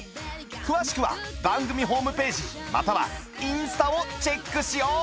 詳しくは番組ホームページまたはインスタをチェックしよう！